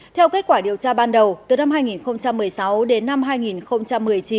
theo kết quả điều tra ban đầu từ năm hai nghìn một mươi sáu đến năm hai nghìn một mươi chín